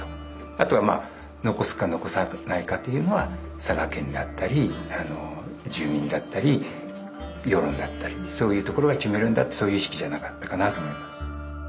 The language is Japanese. あとはまあ残すか残さないかというのは佐賀県であったり住民だったり世論だったりそういうところが決めるんだってそういう意識じゃなかったかなと思います。